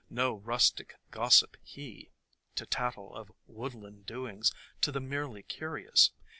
No rustic gossip he, to tattle of woodland doings to the merely curious.